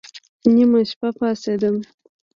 نيمه شپه پاڅېدم.